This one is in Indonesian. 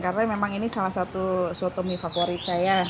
karena memang ini salah satu soto mie favorit saya